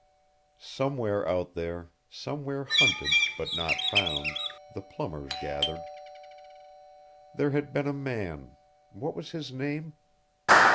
_Somewhere out there, somewhere hunted, but not found, the plumbers gathered. There had been a man what was his name?